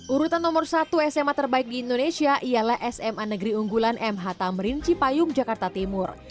urutan nomor satu sma terbaik di indonesia ialah sma negeri unggulan mh tamrin cipayung jakarta timur